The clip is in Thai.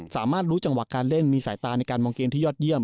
สามารถรู้จังหวะการเล่นมีสายตาในการมองเกมที่ยอดเยี่